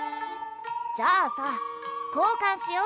じゃあさこうかんしよ。